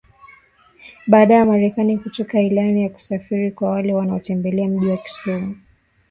baada ya Marekani kutoa ilani ya kusafiri kwa wale wanaotembelea mji wa Kisumu